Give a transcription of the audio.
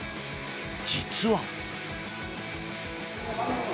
実は。